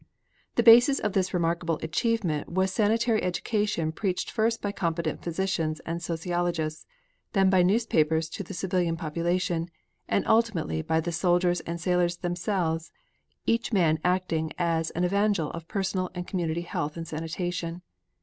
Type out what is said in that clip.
The basis of this remarkable achievement was sanitary education preached first by competent physicians and sociologists; then by newspapers to the civilian population; and ultimately by the soldiers and sailors themselves, each man acting as an evangel of personal and community health and sanitation.